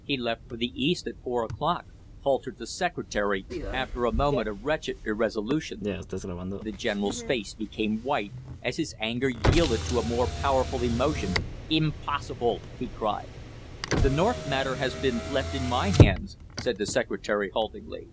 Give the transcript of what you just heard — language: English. "He left for the East at four o'clock," faltered the secretary, after a moment of wretched irresolution. The general's face became white, as his anger yielded to a more powerful emotion. "Impossible!" he cried. "The North matter has been left in my hands," said the secretary haltingly.